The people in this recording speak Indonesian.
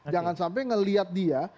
jangan sampai ngelihat dia